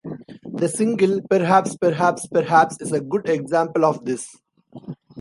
The single "Perhaps, Perhaps, Perhaps," is a good example of this.